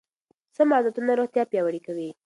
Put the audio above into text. سم عادتونه روغتیا پیاوړې کوي.